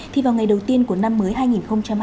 thì vào ngày đầu tiên của năm mới hai nghìn hai mươi